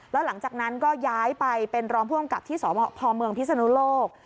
แล้วหลังจากนั้นก็ย้ายไปเป็นรองผู้กำกับที่สพเมืองพิศนุโลก